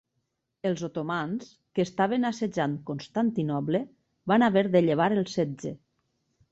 Els otomans, que estaven assetjant Constantinoble, van haver de llevar el setge.